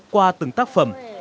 qua từng tác phẩm